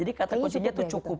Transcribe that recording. jadi kata kuncinya tuh cukup